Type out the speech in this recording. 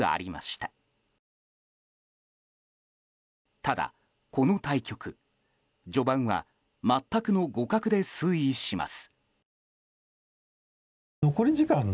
ただ、この対局序盤は全くの互角で推移します。